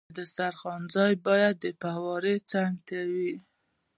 د دسترخوان ځای باید د فوارې څنګ ته وي.